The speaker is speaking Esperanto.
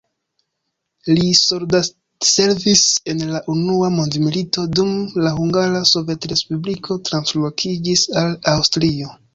Li soldatservis en la unua mondmilito, dum la Hungara Sovetrespubliko translokiĝis al Aŭstrio.